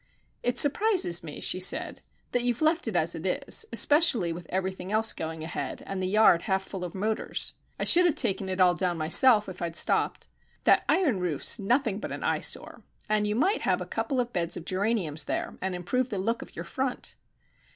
"It surprises me," she said, "that you've left it as it is. Especially with everything else going ahead, and the yard half full of motors. I should have taken it all down myself if I'd stopped. That iron roof's nothing but an eyesore, and you might have a couple of beds of geraniums there and improve the look of your front."